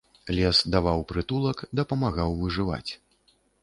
Лес даваў прытулак, дапамагаў выжываць.